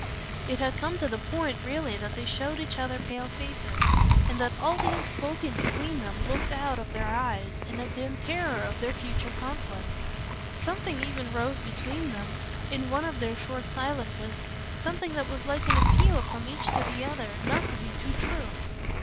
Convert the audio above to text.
It had come to the point really that they showed each other pale faces, and that all the unspoken between them looked out of their eyes in a dim terror of their further conflict. Something even rose between them in one of their short silences something that was like an appeal from each to the other not to be too true.